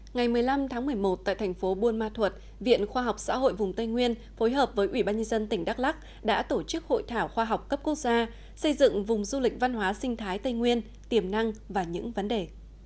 ngày một mươi năm tháng một mươi một tại thành phố buôn ma thuật viện khoa học xã hội vùng tây nguyên phối hợp với ủy ban nhân dân tỉnh đắk lắc đã tổ chức hội thảo khoa học cấp quốc gia xây dựng vùng du lịch văn hóa sinh thái tây nguyên tiềm năng và những vấn đề